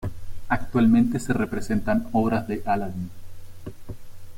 Actualmente se representan obras de "Aladdin".